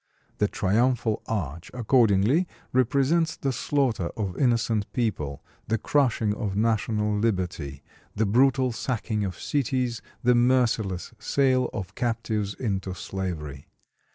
The triumphal arch, accordingly, represents the slaughter of innocent people, the crushing of national liberty, the brutal sacking of cities, the merciless sale of captives into slavery.